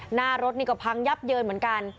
หน้ารถนี่ก็พังยับเยินเหมือนกัน